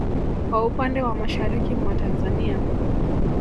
Kwa upande wa mashariki mwa Tanzania